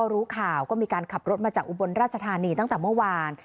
รู้ข่าวก็มีการขับรถมาจากอุบลราชธานีตั้งแต่เมื่อวาน